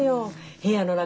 部屋の中